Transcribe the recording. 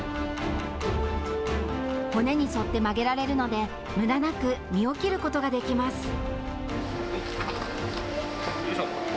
骨に沿って曲げられるのでむだなく身を切ることができます。